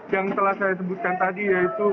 yang telah saya sebelumnya